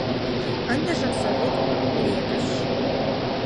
Ындыжым — совет пленыш.